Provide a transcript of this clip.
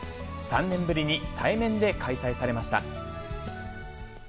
３年ぶりに対面で開催されました。